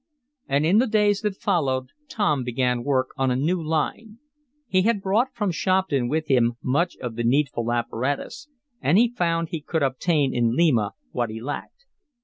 And in the days that followed, Tom began work on a new line. He had brought from Shopton with him much of the needful apparatus, and he found he could obtain in Lima what he lacked.